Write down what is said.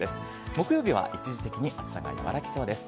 木曜日は一時的に暑さが和らぎそうです。